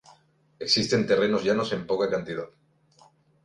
Existen terrenos llanos en poca cantidad.